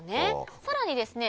さらにですね